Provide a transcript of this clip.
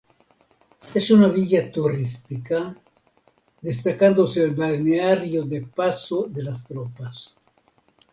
Es una villa turística, destacándose el balneario de Paso de las Tropas.